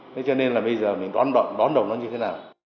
thế cho nên là bây giờ mình đón đầu nó như thế nào